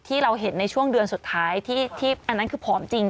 ที่เราเห็นในช่วงเดือนสุดท้ายที่อันนั้นคือผอมจริง